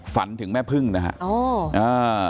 ฝันถึงแม่พึ่งนะฮะ